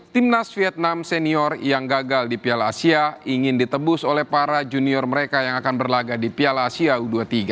timnas vietnam senior yang gagal di piala asia ingin ditebus oleh para junior mereka yang akan berlaga di piala asia u dua puluh tiga